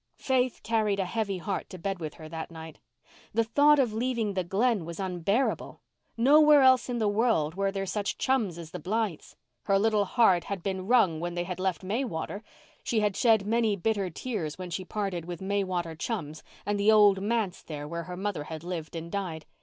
Faith carried a heavy heart to bed with her that night. The thought of leaving the Glen was unbearable. Nowhere else in the world were there such chums as the Blythes. Her little heart had been wrung when they had left Maywater—she had shed many bitter tears when she parted with Maywater chums and the old manse there where her mother had lived and died.